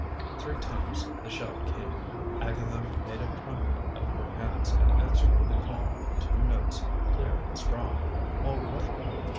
Three times the shout came. Agatha made a trumpet of her hands and answered with a call on two notes, clear and strong. "All right!"